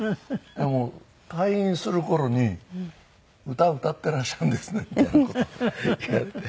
もう退院する頃に歌歌ってらっしゃるんですねみたいな事を言われて。